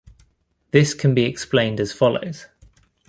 This can be explained as follows.